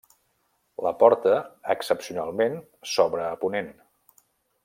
La porta, excepcionalment, s'obre a ponent.